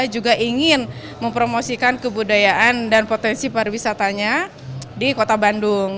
juga ingin mempromosikan kebudayaan dan potensi pariwisatanya di kota bandung